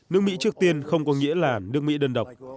nước mỹ trước tiên không có nghĩa là nước mỹ đơn độc